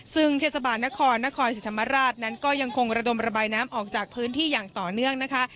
ซึ่งเทศบาลนครนครศรีธรรมราชนั้นก็ยังคงระดมระบายน้ำออกจากพื้นที่อย่างต่อเนื่องนะคะ